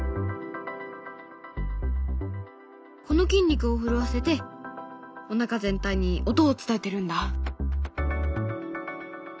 この筋肉を震わせておなか全体に音を伝えてるんだ。